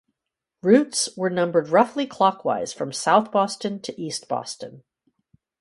Routes were numbered roughly clockwise from South Boston to East Boston.